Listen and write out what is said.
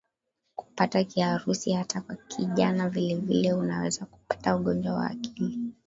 kupata Kiharusi hata kwa kijana Vilevile unaweza kupata ugonjwa wa akili